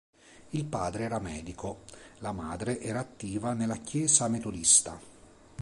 Il padre era medico; la madre era attiva nella Chiesa metodista.